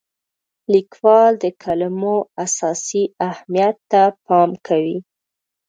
لیکوال د کلمو اساسي اهمیت ته پام کوي.